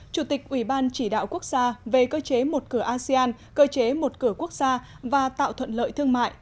chủ tịch ủy ban chỉ đạo quốc gia về cơ chế một cửa asean cơ chế một cửa quốc gia và tạo thuận lợi thương mại